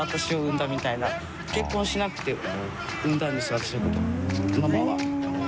私のことを。